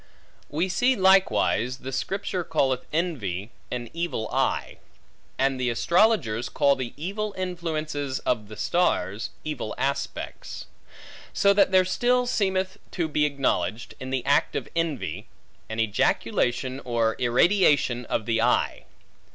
We see likewise, the Scripture calleth envy an evil eye; and the astrologers, call the evil influences of the stars, evil aspects; so that still there seemeth to be acknowledged, in the act of envy, an ejaculation or irradiation of the eye.